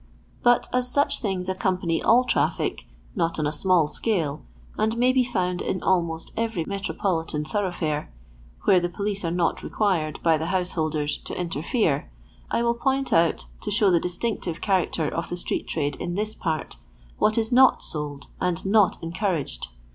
But as such things accompany all traffic, not on a small scale, and may be found in almost every metropolitan tho roughfare, where the police are not required, by the householders, to interfere, I will point out, to show the distinctive chnracter of the street trade in this part, what is not sold and not encouraged.